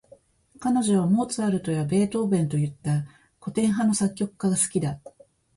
彼女はモーツァルトやベートーヴェンといった、古典派の作曲家が好きだ。